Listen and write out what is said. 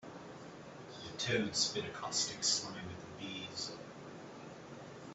The toad spit a caustic slime at the bees.